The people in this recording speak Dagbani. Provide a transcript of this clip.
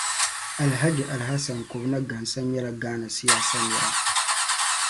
Alhaji Alhassan Kobina Ghansah nyɛla Ghana siyaasa nira.